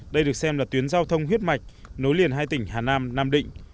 đây được xem là tuyến giao thông huyết mạch nối liền hai tỉnh hà nam nam định